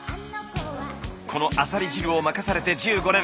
このアサリ汁を任されて１５年。